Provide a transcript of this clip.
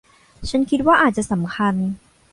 ฉันคิดว่าอาจจะสำคัญ